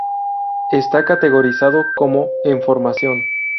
Esta categorizado como "en formación".